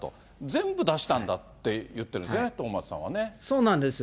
全部出したんだって言ってるんですよね、そうなんです。